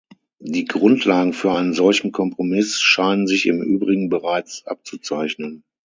Die Grundlagen für einen solchen Kompromiss scheinen sich im übrigen bereits abzuzeichnen.